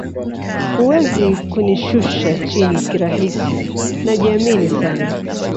Huwezi kunishusha chini kirahisi najiamini sana